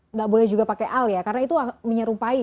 nggak boleh juga pakai al ya karena itu menyerupai